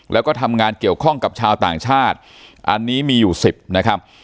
แล้วก็ทำงานเกี่ยวข้องกับชาวต่างชาติอันนี้มีอยู่๑๐นะครับ